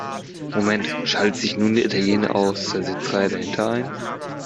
Moment!, schaltet sich nun der Italiener aus der Sitzreihe dahinter ein.